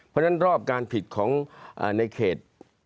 เพราะฉะนั้นรอบการผิดของในเขต